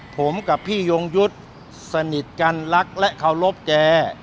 ผมกับพี่ยงยุทธ์สนิทกันรักและเคารพแก